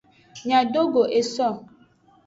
Miadogo eso.